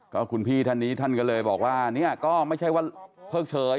ก็คุณพี่ท่านนี้ท่านก็เลยบอกว่าเนี่ยก็ไม่ใช่ว่าเพิ่งเฉย